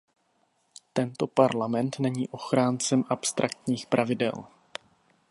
Tento Parlament není ochráncem abstraktních pravidel.